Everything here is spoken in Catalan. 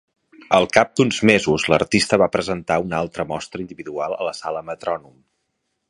Al cap d'uns mesos, l'artista va presentar una altra mostra individual a la sala Metrònom.